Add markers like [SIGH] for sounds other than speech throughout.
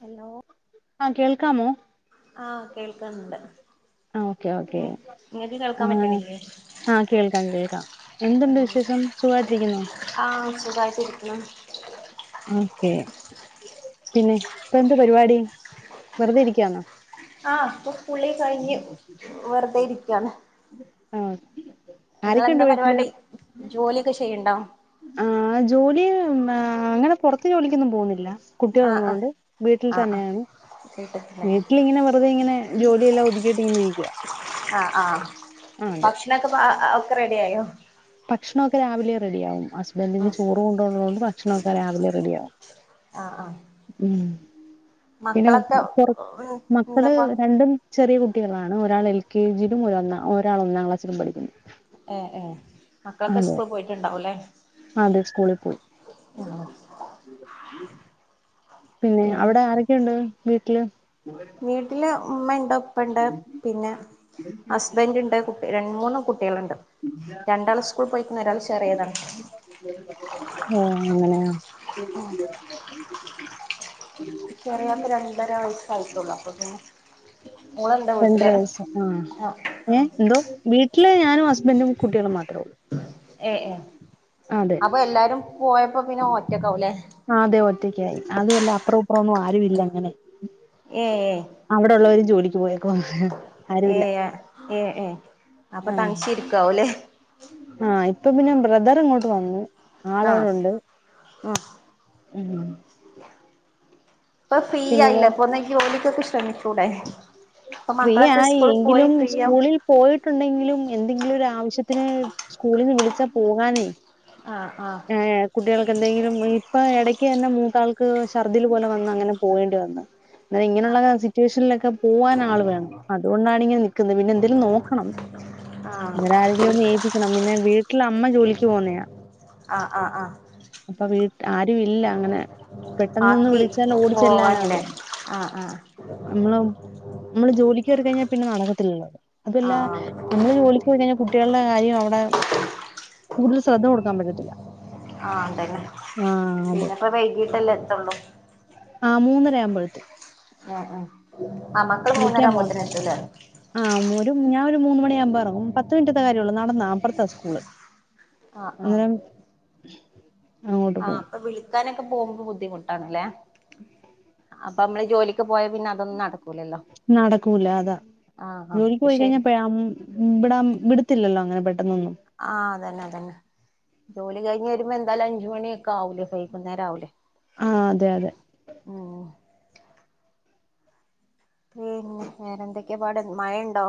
Hello. ആഹ് കേൾക്കാമോ. ആഹ് കേൾക്ക്ന്നുണ്ട്. ആഹ് ഓക്കെ ഓക്കേ കേൾക്കാൻ ആഹ്. പറ്റണില്ലേ ആഹ് കേൾക്കാം കേൾക്കാം എന്തുണ്ട് വിശ്ഷം സുഖായിട്ടിരിക്കുന്നൊ. ആഹ് സുഖായിട്ടിരിക്ക്ണ്. ഓക്കെ പിന്നെ ഇപ്പന്ത് പരിപാടി വെറുതെ ഇരിക്ക്യാന്നോ. ആഹ് ഇപ്പൊ കുളി കയ്ഞ്ഞ് വെർതെ ഇരിക്ക്യാണ്. ആഹ്. നിങ്ങളെന്താ ആരൊക്കെയുണ്ട് വീട്ടില് പരിപാടി ജോല്യൊക്കെ ചെയ്യണ്ടോ. ആ ജോലി എന്താ അങ്ങനെ പൊർത്ത് ജോലിക്കൊന്നും പോകുന്നില്ല. ആഹ് ആഹ് കുട്ടികളുള്ളോണ്ട് വീട്ടിൽ ആഹ് ആഹ് തന്നെയാണ് വീട്ടിൽ തന്നെ വീട്ടില്ങ്ങനെ വെറുതെ ഇങ്ങനെ. ജോലിയെല്ലാം ഒതുക്കിയിട്ടിഞ്ഞിരിക്ക. ആഹ് ആഹ് ഭക്ഷണൊക്കെ പാ ഒക്കെ റെഡി ആയോ. ഭക്ഷണൊക്കെ രാവിലെ റെഡിയാവും ഹസ്ബൻഡിന് ഉം ചോറ് കൊണ്ടോള്ളതുകൊണ്ട് ഭക്ഷണൊക്കെ രാവിലെ റെഡിയാവും. ആഹ് ആഹ്. ഉം പിന്നെ മക്കളൊക്കെ പുറത്ത് മക്കള് എന്താപ്പ രണ്ടും. ചെറിയ കുട്ടികളാണ് ഒരാള് എൽ കെ ജിയിലും ഒരൊന്ന ഒരാൾ ഒന്നാം ക്ലാസ്സിലും പഠിക്കുന്നു. ഏഹ് ഏഹ് മക്കളൊക്കെ അതെ സ്കൂള് പോയിട്ടുണ്ടാവുലെ. അതെ സ്കൂളിൽ പോയി പിന്നെ ആഹ് അവ്ടെ ആരൊക്കെയുണ്ട് വീട്ടില്. വീട്ടില് ഉമ്മുണ്ട് ഉപ്പണ്ട് പിന്നെ ഹസ്ബൻറ്ണ്ട്. രണ്ട് മൂന്ന് കുട്ടികള്ണ്ട് രണ്ടാള് സ്കൂൾ പൊയ്ക്ക്ണ് ഒരാൾ ചെറിയതാണ്. ഓഹ് അങ്ങനെയാ. ആഹ്. ചെറിയൊക്ക് രണ്ടര വയസ്സായിട്ടൊള്ളു അപ്പൊ പിന്നെ. മോള്ണ്ട് രണ്ടര വീട്ടില് വയസ്സ് ആഹ് അ ഏ ആഹ്. എന്തോ വി ട്ടില് ഞാനും ഹസ്ബൻഡും കുട്ടികളും മാത്രേ ഉള്ളൂ ഏഹ് ഏഹ് അതെ അപ്പൊ എല്ലാരും പോയപ്പോ പിന്നെ ഒറ്റക്കാവല്ലേ ആഹ് അതെ ഒറ്റയ്ക്കായി അത്വല്ല അപ്പറൊ ഇപ്പറൊന്നും ആരും ഇല്ല അങ്ങനെ ഏഹ് അവിടൊള്ളോരും ജോലിക്ക് പോയിരുന്നു- ഏഹ് ഏഹ് ഏ അപ്പൊ ആഹ് തനിച്ചിരിക്ക്വാവുംല്ലേ ആഹ് ഇപ്പൊ പിന്നെ ബ്രദർ ഇങ്ങോട്ട് വന്നു ആ ആളോവിടെണ്ട് ഉം ഉം ഇപ്പൊ ഫ്രീ പിന്നെ വേ ആയില്ലേ അപ്പൊന്ന് ജോലിക്കൊക്കെ ശ്രമിച്ചൂടെ ഇപ്പൊ ഫ്രീ മക്കളൊക്കെ ആയി സ്കൂൾ പോയി എങ്കിലും ഫ്രീ ആവും സ്കൂളിൽ- പോയിട്ടുണ്ടെങ്കിലും എന്തെങ്കിലും ഒരു ആവശ്യത്തിന് സ്കൂളീന്ന് വിളിച്ചാൽ പോകാനേ- ആഹ് ആഹ് ഏ കുട്ടികൾക്കെന്തെങ്കിലും ഇപ്പ എടയ്ക്ക് തന്നെ മൂത്താൾക്ക് ഛർദ്ദില് പോലെ വന്ന് അങ്ങനെ പോകേണ്ടി വന്നു ഇന്നാ ആ ഇങ്ങനെയുള്ള സിറ്റുവേഷനിലൊക്കെ പോകൻ ആള് വേണം അതുകൊണ്ടാണിങ്ങനെ നിൽക്കുന്നത് പിന്നെ എന്തേലും നോക്കണം ആ അന്നെരം ആരെങ്കിലും ഒന്ന് ഏൽപ്പിക്കണം പിന്നെ വീട്ടിലമ്മ ജോലിക്ക് പോകുന്നയാ ആഹ് ആഹ് ആഹ് അപ്പൊ വീട്ട ആരും ഇല്ല അങ്ങനെ പെട്ടെന്നൊന്ന് ആക്കി വിളിച്ചാല് ഓടി പോവാനില്ലേ ചെല്ലാനാളില്ല ആഹ് ആഹ് നമ്മള് നമ്മള് ജോലിക്ക് കേറി കഴിഞ്ഞാ പിന്നെ നടക്കത്തില്ലല്ലോത് അതല്ല- ആഹ് നമ്മള് ജോലിക്ക് പോയി കഴിഞ്ഞാൽ കുട്ടികളുടെ കാര്യം അവിടെ കൂടുതൽ ശ്രദ്ധ കൊടുക്കാൻ പറ്റത്തില്ല ആഹ് ഉണ്ടല്ലേ ആ അതെ പിന്നെപ്പോ വൈകിട്ടല്ലേ എത്തൊള്ളൂ ആഹ് മൂന്നര ആവുമ്പോഴെത്തും ഉം ഉം ആഹ് മക്കള് മൂന്നരാമ്പൊത്തേനെത്തൂല്ലെ ആഹ് ഒരു ഞാനൊര് മൂന്ന് മണിയാകുമ്പോയെറങ്ങും പത്ത് മിനിറ്റത്തെ കാര്യേള്ളൂ നടന്നാ അപ്പുറത്താ സ്കൂള്- ആഹ് ആഹ് അന്നേരം അങ്ങോട്ട് ആഹ് പോകും അപ്പൊ വിളിക്കാനൊക്കെ പോകുമ്പോ ബുദ്ധിമുട്ടാണല്ലേ [INAUDIBLE] അപ്പൊ നമ്മള് ജോലിക്ക് പോയാ പിന്നെ അതൊന്നും നടക്കു നടക്കൂല അതാ ആഹ് ആഹ് ജോലിക്ക് അത് പോയി ശരി കഴിഞ്ഞപ്പഴാ- വിടാ വിടത്തില്ലല്ലോ അങ്ങനെ പെട്ടെന്നൊന്നും ആഹ് അതന്നെ അതന്നെ ജോലി കഴിഞ്ഞ് വരുമ്പോ എന്താലും അഞ്ചുമണിയൊക്ക ആകും വൈകുന്നേരം ആവില്ലേ ആഹ് അതെ അതെ ഉം ഉം വേറെ എന്തൊക്കെയാ പാട് മഴയുണ്ടോ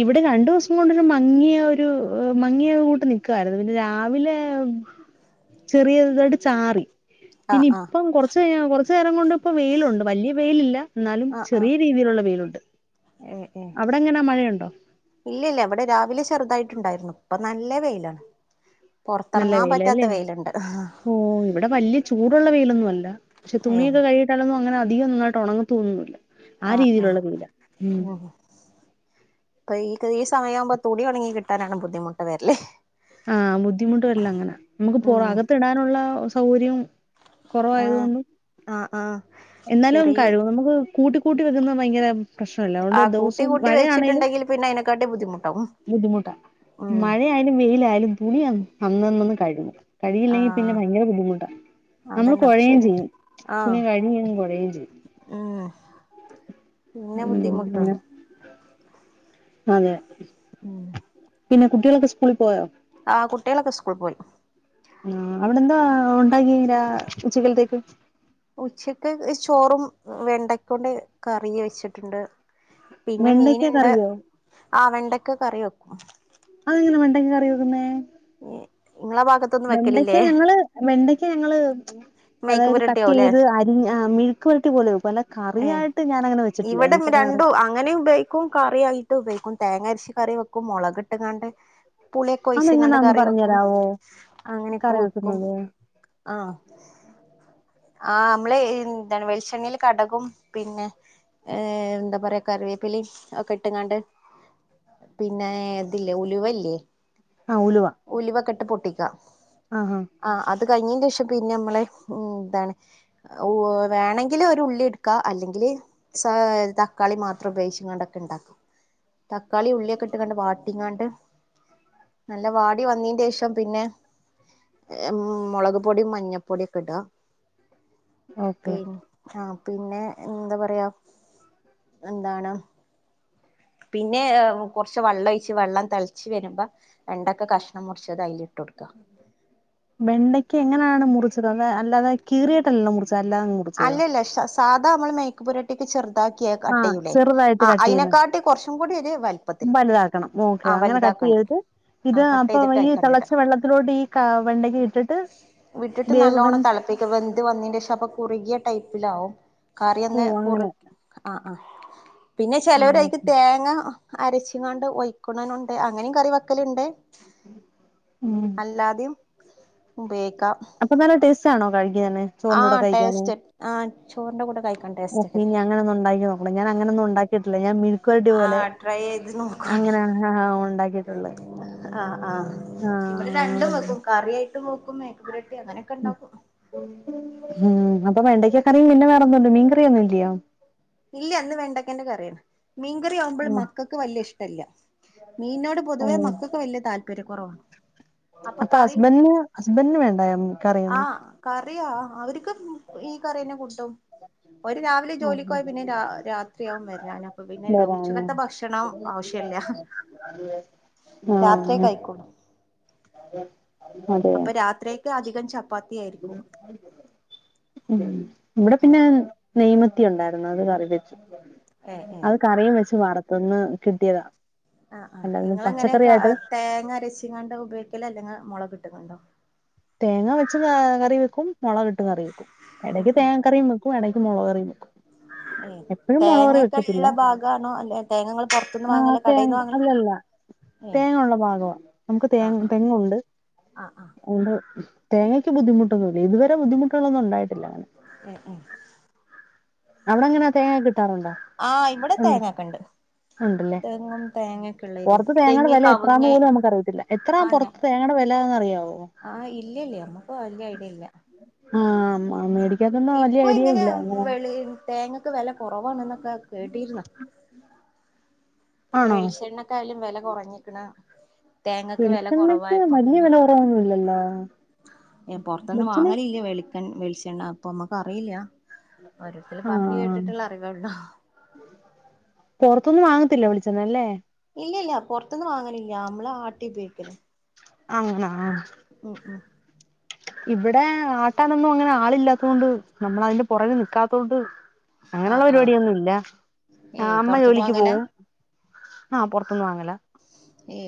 ഇവിടെ രണ്ടു ദിവസം കൊണ്ടൊരു മങ്ങിയ ഒരു മങ്ങിയ കൂട്ട് നിക്വാരുന്നു പിന്നെ രാവിലെ ചെറിയതായിട്ട് ചാറി ആഹ് ആഹ് പിന്നിപ്പം കൊറച്ച് കൊറച്ച് നേരം കൊണ്ടിപ്പം വെയിലൊണ്ട് വലിയ വെയിലില്ല എന്നാലും ആഹ് ആഹ് ചെറിയ രീതിയിലൊള്ള വെയിലൊണ്ട് ഏഹ് ഏഹ് അവിടെങ്ങനാ മഴയുണ്ടോ ഇല്ലില്ല ഇവിടെ രാവിലെ ചെറുതായിട്ടുണ്ടായിരുന്നു ഇപ്പൊ നല്ല വെയിലാണ് നല്ല പൊറത്തെറങ്ങാൻ പറ്റാത്ത വെയിലല്ലേ വെയിലൊണ്ട് ഓഹ് ഇവിടെ വല്യ ചൂടുള്ള വെയിലൊന്നും അല്ല പക്ഷെ ഏ തുണിയൊക്കെ കഴ്കിട്ട് ലൊന്നും അങ്ങനെ അധികം നന്നായിട്ട് ഒണങ്ങത്തൊന്നുല്ല ആ ആഹ് ആഹ് രീതിയിലുള്ള വെയിലാ ഉം അപ്പ ഈ ഈ സമയയാവുമ്പോ തുണിഒണങ്ങികിട്ടാനാണ് ബദ്ധിമുട്ട് വെരല്. ആഹ് ബുദ്ധിമുട്ട് വെര്ല് അങ്ങനാ അമ്മക്ക് പൊ ഉം അകത്തിടാനൊള്ള സൗകര്യവും കൊറവായത് ആഹ് കൊണ്ടും ആഹ് ആഹ് എന്നാലും ശെരി കഴിവും നമുക്ക് കൂട്ടി കൂട്ടി വെക്കുന്ന ഭയങ്കര പ്രശ്നല്ല അതൊണ്ട് ആഹ് കൂട്ടി ദേവ്സം കൂട്ടി മഴയാണെല് വെച്ചിട്ടുണ്ടെങ്കിൽ പിന്നെ അയിനെക്കാട്ടി ബുദ്ധിമുട്ടാവും ബുദ്ധിമുട്ടാ ഉം മഴയാലും മെയിലായാലും തുണിയ അന്നന്നൊന്നും കഴുകും കഴിയില്ലെങ്കിൽ പിന്നെ ആഹ് ഭയങ്കര ബുദ്ധിമുട്ടാ നമ്മള് അതന്നെ അത് കൊഴേയും ശെരിയാ ചെയ്യും തുണി കഴുകി കഴുകി കൊഴേയും ചെയ്യും അഹ് പിന്നെ ഉം ബുദ്ധിമുട്ട അങ്ങനെ അതെ ഉം പിന്നെ കുട്ടികളൊക്കെ സ്കൂളിൽ പോയോ ആഹ് കുട്ടികളൊക്കെ സ്കൂളിൽ പോയി ആഹ് അവിടെന്താ ഉണ്ടാക്കിരാ ഉച്ചികൽത്തേക്ക് ഉച്ചക്ക് ചോറും വെണ്ടക്കൊണ്ട് കറിയൂ വെച്ചിട്ടുണ്ട് പിന്നെ വെണ്ടയ്ക്ക മീനുണ്ട് കറിയോ ആ വെണ്ടക്ക് കറി വെക്കും അതെങ്ങനെ വെണ്ടെങ്ക കറിവെക്കുന്നേ ഏഹ്ങ്ങളെ ഭാഗത്ത് വെണ്ടക്ക ഞങ്ങള് വെണ്ടക്ക ഞങ്ങള് മേക്ക് അതായത് കട്ട് പുരട്ടിയാവുംല്ലേ ചെയ്ത് അരി ഞ് ആഹ് മെയ്ക്ക് വരട്ടി പോലെ വെക് അല്ല കറ ഏ ആയിട്ട് ഞാന അങ്ങനെ വെച്ചിട്ടില്ല ഇവിടെ എനിക്കങ്ങനെ അറിയാ രണ്ടും അങ്ങനെ ഉപയോഗിക്കും കറി ആയിട്ട് ഉപയോഗിക്കും തേങ്ങ അരിച്ചി കറി വെക്കും മുളക് ഇട്ട്ങ്ങാണ്ട് പുളിയൊക്കെ ഒയിച്ങ്ങണ്ട് അതെങ്ങനാന്ന് കറി പറഞ്ഞു വെക്കും തരാവോ അങ്ങനെയൊക്കെ കറി വെക്കും വെക്കുന്നത് ആഹ്ആഹ് അമ്മള് എന്താണ് വെളിച്ചെണ്ണിൽ കട് കും പിന്നെ ഏ എന്താ പറയാ കറിവേപ്പിലി ഒക്കെ ഇട്ടുംങ്ങാണ്ട് പിന്നെ ഇതില്ലേ ഉലുവല്ലേ ആഹ് ഉലുവ ഉലിവക്കെട്ട് പൊട്ടിക്ക ആഹഹ ആ അത് കഴിഞ്ന്റെഷം പിന്നെ അമ്മളെ എന്താണ് വേണമെങ്കിൽ ഒരു ഉള്ളി എടു ക്ക അല്ലെങ്കിൽ സ തക്കാളി മാത്രം ഉപയോഗിച്ചും ങ്ങാണ്ടൊക്കെ ഉണ്ടാക്കും തക്കാളി ഉള്ളിയൊക്കെ ഇട്ട് ങ്ങാണ്ട് വാട്ടിങ്ങാണ്ട് നല്ല വാടി വന്നീന്റെഷം പിന്നെ ഏഹ് മുളക് പൊടിയും മഞ്ഞപ്പൊടിയൊക്കെ ഇടുക ഓക്കെ പിനെ ആ പിന്നെ എന്താ പറയാ എന്താണ് പിന്നെ കൊർച്ച് വെള്ളം ഒഴിച്ച് വെള്ളം തളച്ച് വരുമ്പോ വെണ്ടൊക്കെ കഷ്ണം മുർച്ചത് അയില് ഇട്ട് കൊടുക്ക വെണ്ടയ്ക്ക എങ്ങനെയാണ് മുറിച്ചത് അത് അല്ലാതെ കീറിയയിട്ടെല്ലാല്ലോ മുറിച്ച അല്ലല്ല സാധാ അമ്മള് മേയ്ക്കപ്പുരട്ടേക്ക് ചെർ താക്കിയ ആ കട്ടെയ്യുലേ ചെറുതായിട്ട് ആ കട്ട് ചെയ്യുന്നത് അയ്നെക്കാട്ടി കൊർച്ചും കൂടി ഒരു വലപ്പത്തില് വലുതാക്കണം ഓക്കെ അങ്ങനെ കട്ട് ചെയ്ത് ട്ട് ഇത് ആഹ് കട്ട് അപ്പൊ ചെയ്തിട്ട് ഈ അയിക്കണ്ടിടാ തിളച്ച വെള്ളത്തിലോട്ട് ഈ വെണ്ടക ഇട്ടിട്ട് വിട്ടിട്ട് വേവ് വെ നല്ലോണ്ണം തൾപ് വെന്ത്‌ വന്നിന്റെ ക്ഷം അപ്പൊ കുറുകിയ ടൈപ്പിലാവും കറി ഓ ഒന്ന് അങ്ങനെ കുറിക് ആഹ് ആഹ് പിന്നെ ആഹ് ചെലോരായിക്ക് തേങ്ങ അരച്ചി ങ്ങാണ്ട് ഒയ്ക്കുനുണ്ട് അങ്ങനെയും കറി വക്കലുണ്ട് ഉം അല്ലാതും ഉപയോഗിക്കാം അപ്പൊ നല്ല ടസ്റ്റ് ആണോ കഴിക്കാന് ചോറിന്റെ കൂടെ ആഹ് കഴിക്കാന് ടേസ്റ്റ് ആ ചോറിന്റെ കൂടെ കഴിക്കണ്ട ഓക്കെനി അങ്ങനൊന്ന് ണ്ടാക്കി നോക്കണം ഞാൻ അങ്ങനൊന്നും ഉണ്ടാക്കിട്ടില്ലഞാൻ മിൽക്കൊര്ടി പോലെ ട്രൈയ്യെയ്ത് നോക്ക് അങ്ങന ആ ഒണ്ടാ ആഹ് ആഹ് ഇവടെ ആഹ് രണ്ടും വെക്കും കറിയായ്ട്ടും വെക്കും മേക്ക്പുരട്ടി ങ്ങനൊക്കെ ണ്ടാക്കും. ഉം അപ്പൊ വെണ്ടക്ക കറിം പിന്നെ വേറൊന്നുംല്ല മീൻ കറിയൊന്നുംല്ലയോ ഇല്ല ന്ന് വെണ്ടക്കൻന്റെ കറിയാണ് മീൻകറി ആവുമ്പോഴും ഉം മക്കൾക്ക് വല്യ ഇഷ്ടല്ല. മീനോട് പൊതുവെ ഉം മക്കക്ക് വല്യ താല്പര്യ കൊറവാ അപ്പ ഹസ്ബന്ഡ്ന് ഹസ്ബന്ഡിന് വേണ്ടയോ കറിയൊന്നു ആഹ് കറിയാ അവർക്ക് ഈ കറിയെന്നെ കൂട്ടും ഒര് രാവിലെ ജോലി ആഹ് കോയ പിന്നെ രാ രാത്രിയാവും വരാൻ അപ്പൊ പിന്നെ വരാനോ ഉച്ചക്കത്തെ ഭക്ഷണം ആവ്ശ്യല്ല. ആഹ് ങ്ങ കഴിക്കുള്ളൂ അപ്പ രാത്രിയക്കെ അധികം ച ഉ വടെ പിന്നെ ഏഹ് നെയ്മത്തി ണ്ടായിര്ന്നു അത് കറി വെച്ചു ഏഹ് ഏഹ് അത് കറിം വെച്ച് വറുത്തൊന്ന് കിട്ടിയതാ ആ ആ് അല്ലാതെ ങ്ങളെങ്ങനെ കാ പച്ചക്കറിയായിട്ട് തേങ്ങ അരച്ചിങ്ങാണ്ട ഉപയോക്കല് അല്ലെങ മുളകട്ട് കാണ്ടോ തേങ്ങ വെച്ച് കറി വെക്കും മൊളകിട്ട് കറി വെക്കും ഉം എടക്ക് ഉം തേങ്ങ കറിയും വെ ക്കും എടക്ക് മുളക് കറി വെക്കും ഏ തേങ്ങെക്കള്ള ഭാഗാണോ അല്ലെ തേങ്ങ ങ്ങൾ പൊർത്ത്ന്ന് ആ വാങ്ങല കടെന്ന് തേങ്ങ വാങ്ങല അല്ലല്ല തേങ്ങ ഉള്ള ഭാഗവാ നമുക്ക് തേ ആഹ് തെങ്ങുണ്ട് ആഹ് ആഹ് അതൊ തേങ്ങയ്ക്ക് ബുദ്ധിമുട്ടൊന്നുല്ല ഇതുവരെ ബുദ്ധിമുട്ടുകളൊന്നും ണ്ടായിട്ടില്ല അ ഉ ഉം അവ്ടെ ങ്ങന തേങ്ങ കിട്ടാറുണ്ടോ ആഹ് ഇവടെ ഉം തേങ്ങക്കെണ്ട്. ഉണ്ടല്ലേ തെങ്ങും തേങ്ങൊക്കെ ഇള്ള ഏരിയ പൊറത്ത് തേങ്ങയുടെ തെങ്ങ് വെല എത്രാന്ന് കവുങ്ങ് പോലും നമുക്ക് അറിയത്തില്ല എത്രാ ആഹ് പൊ ഞാ തേങ്ങടെ വെലന്ന്റിയാവോ ആഹ് ഇല്ല ഇല്ലേ നമ്മുക്ക് വല്യ ഐഡിയ ഇല്ല. ആഹ് മേടിക്കാത്തൊണ്ട് വല്യ ഇപ്പൊ ഐഡിയ ഇങ്ങനെ ഇല്ല. വെളി തേങ്ങക്ക് വെല കൊറവാണ് ന്നൊക്ക കേട്ടിര്ന്ന് പ്പ ആണോ വെളിച്ചെണ്ണ ക്കായാലും വെല കൊറഞ്ഞിക്ക്ണ് തേങ്ങക്ക് വെല വെളിച്ചെണ്ണക്ക് കൊറവായപ്പോ പിന്നെ [UNINTELLIGIBLE] പൊർത്ത്ന്ന് വെളിച്ചെണ്ണ വാങ്ങലില്ല വെളിക്ക വിളിച്ചണ്ണ അപ്പ മ്മക്ക് അറിയില്ല. ഓരോരുത്തല് പർഞ് ആഹ് കേട്ടിട്ട്ള്ള അറിവെള്ളു. പൊറത്തിന്ന് വാങ്ങത്തില്ല വിളിച്ചണ്ണ ല്ലേ. ഇല്ലല്ല പൊർത്തന്ന് വാങ്ങലില്ല അമ്മളാട്ടി ഉപേയ്ക്കലാ അങ്ങനാ ഉ ഉം ഇവ്ടെ ആട്ടാനൊന്നും അങ്ങനെ ആളില്ലാത്തൊണ്ട് നമ്മളയ്ന്റെ പുറക നിക്കാത്തോണ്ട് അങ്ങനെള്ള ആഹ് ആഹ് പരിപാടിയൊന്നുംല്ല ആ ഏയ് അമ്മ പൊറത്ത്ന്ന് ജോലിക്ക് വാങ്ങലാ പോകവും. ആഹ് പൊർത്ത് ന്ന് വാങ്ങല. ഏ്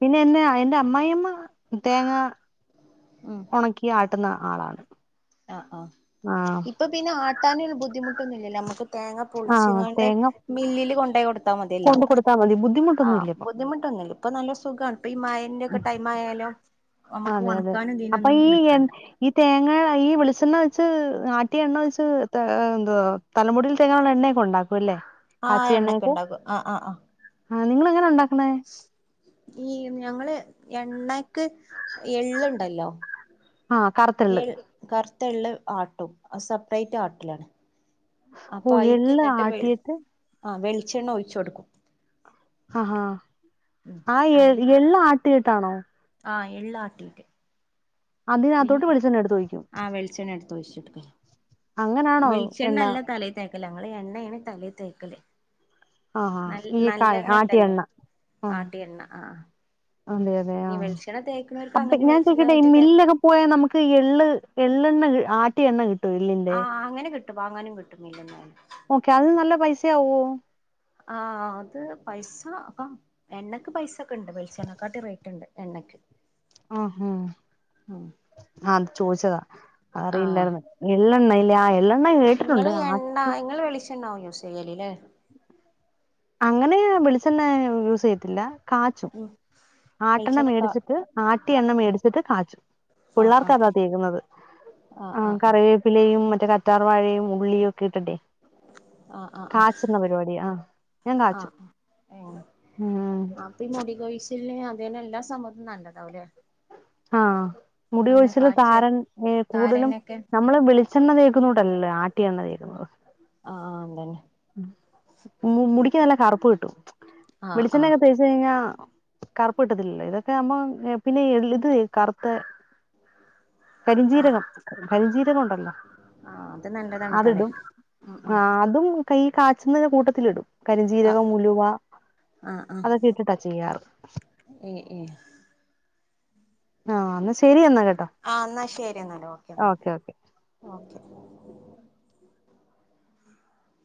പിന്നെ എന്നാ എന്റെ അമ്മായിമ്മ തേങ്ങ ഉം ഒണക്കി ആട്ടുന്ന ആളാണ് ആഹ് ആഹ് ആഹ് ഇപ്പൊ പിന്നെ ആട്ടാനരു ബുദ്ധിമുട്ടൊന്നു ല്ല ല്ലോ അമക്ക് തേങ്ങ ആഹ് പൊളിച്ചിങ്ങാണ്ട് തേങ്ങ മില്ലില് കൊണ്ടെ കൊട് ത്താ മതിയല്ലാ കൊണ്ട് കൊടുത്താൽ മതി ബുദ്ധിമുട്ടൊന്നും ആഹ് ഇല്ല ബുദ്ധിമുട്ടൊന്നുല്ല പ്പൊ നല്ല സുഖാണ്പ്പ ഈ മഴന്റെ ഒക്കെ ടൈം ആയാലും. നമുക്ക് അതെ അതെ ഒണക്കാനും അപ്പ ഇതിനൊന്നും ഈ നിക്കണ്ട ഈ തേങ്ങ ഈ വെളിച്ചെണ്ണ വെച്ച് ആട്ടിയ എണ്ണ വെച്ച് എന്താ തലമുടിയിൽ തേക്കാനുള്ള എണ്ണയൊക്കെ ഉണ്ടാക്കും അല്ലേ. ആഹ് എണ്ണയൊക്കെ ഉണ്ടാക്കും. ആഹ് ആഹ് ആഹ്. ആഹ് നിങ്ങളെങ്ങനാ ഉണ്ടാക്കണേ? ഈ ഞങ്ങള് എണ്ണക്ക് എള്ളുണ്ടല്ലോ ആഹ് കറുത്ത എ എള്ള്. കറുത്ത എള്ള് ആട്ടും. സെപ്പറേറ്റ് ആട്ടലാണ്. ഓഹ് എള്ള് ആട്ടിയട്ട് ആഹ് വെളിച്ചെണ്ണ ഒഴിച്ച് കൊടുക്കും. ആഹ് ആഹാ. ഉം ആഹ് എള്ള് ആട്ടിയട്ടാണോ? ആഹ് എള്ള് ആട്ടീട്ട്. അതിനകത്തോട്ട് വെളിച്ചെണ്ണ എടുത്ത് ഒഴിക്കും. ആഹ് വെളിച്ചണ്ണ എടുത്ത് ഒഴിച്ചിടും. അങ്ങനാണോ എണ്ണ വെളിച്ചെണ്ണല്ല തലേൽ തേക്കല്. ഞങ്ങൾഈ എണ്ണയാണ് തലയിൽ തേക്കല്. ആഹാ ന ഈ കാ- നല്ലെണ്ണ ആട്ടിയ ഉണ്ടല്ലോ. എണ്ണ ആ ആട്ടിയ എണ്ണ. ആഹ് അതെ അതെ ആഹ്. അപ്പെ അങ്ങനെ ഞാൻ വെളിച്ചെണ്ണ ചോദിക്കട്ടെ ആയിട്ട് തേക്കാം മില്ലൊക്കെ പോയാൽ നമുക്ക് എള്ള് എള്ളെണ്ണ കി ആട്ടിയ എണ്ണ കി ആഹ് അങ്ങനെ കിട്ടും. വാങ്ങാനും കിട്ടും മില്ലീന്നു തന്നെ. ഓക്കെ അത് നല്ല പൈസയാവോ? ആഹ് അത് പൈസ. അപ്പ എണ്ണയ്ക്ക് പൈസ ക്കെണ്ട് വെളിച്ചണ്ണേക്കാട്ടി റേറ്റുണ്ട് എണ്ണയ്ക്ക്. ഉം ഹും അത് ചോദിച്ചതാ. അത് ആഹ് അറിയില്ലായിരുന്ന്. എള്ളെണ്ണ ഇല്ലേ ആഹ് എള്ള ഇങ്ങള് എണ്ണ ഇങ്ങള് വെളിച്ചെണ്ണയാവും യൂസ് ചെയ്യലല്ലേ. അങ്ങനെ വെളിച്ചെണ്ണ യൂസ് ചെയ്യത്തില്ല. കാച്ചും. ഉം ആട്ടണ വെളിച്ചെണ്ണക്കെ മേടിച്ചിട്ട് ആട്ടിയ എണ്ണ മേടിച്ചിട്ട് കാച്ചും. ആഹ് പിള്ളേർക്ക് ആഹ് അതാ തേക്കുന്നത്. ആഹ് കറി വേപ്പിലയും മറ്റേ കറ്റാർവാഴയും ഉള്ളിയും ഒക്കെ ഇട്ടട്ടെ ആഹ് ആഹ് ആഹ് കാച്ചുന്ന പരിപാടി. ആഹ് ആഹ് ആഹ് ഉം ഉം അ പ്പെ ഈ മുടികൊഴിച്ചിലിന് അതിനെല്ലാ സംഭവത്തിനും നല്ലതാവൂല്ലേ. ആഹ് മുടി കൊഴിച്ചിലിന് കാച്ചിയ താരൻ ഏഹ് കൂടുതലും താരനൊക്കെ നമ്മള് വെളി ച്ചെണ്ണ തേക്കുന്നൂട്ടല്ലല്ലോ ആട്ടിയ എണ്ണ തേക്കുന്നത്. ആഹ് ആഹ് അത് തന്നെ. മു മുടിക്ക് നല്ല കറുപ്പ് കിട്ടും. ആഹ് ആഹ് വെളിച്ചെണ്ണയൊക്കെ തേ ച്ച് കഴിഞ്ഞാ കറുപ്പ് കിട്ടത്തില്ലല്ലോ. ഇതൊക്കെ ആവുമ്പോ പിന്നെ എള്ള് ഇത് കറുത്ത ആഹ് കരിംജീരകം കരിംജീരകം ഉണ്ടല്ലോ ആഹ് അത് നല്ലതാണ് അതിടും തലയ്ക്ക്. ഉം ആ ഉം അതും ഈ കാച്ചുന്ന കൂട്ടത്തില് ഇടും. ആഹ് കരിംജീരകം, ഉലുവ അതൊക്കെ ഇട്ടിട്ടാ ചെയ്യാറ്. ഏയ് ഏയ് ആഹ്. എന്നാ ശരിയെന്നാ കേട്ടോ. ആഹ് എന്നാ ശരി എന്നാല്. ഓക്കെ എന്നാല് ഓക്കെ.